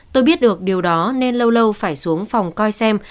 tôi biết được điều đó nên lâu lâu phải xuống phòng coi xem